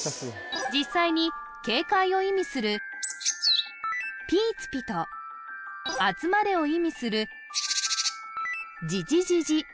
実際に警戒を意味する「ピーツピ」と「集まれ」を意味する「ヂヂヂヂ」